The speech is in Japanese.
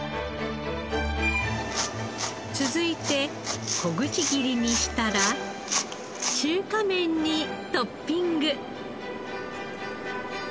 続いて小口切りにしたら中華麺にトッピング。